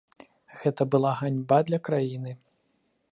Гэта была ганьба для краіны.